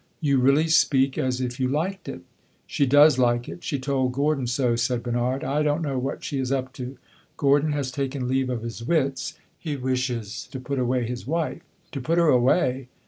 "You really speak as if you liked it!" "She does like it she told Gordon so," said Bernard. "I don't know what she is up to! Gordon has taken leave of his wits; he wishes to put away his wife." "To put her away?"